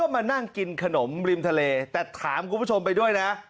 มานั่งกินขนมริมทะเลแต่ถามคุณผู้ชมไปด้วยนะ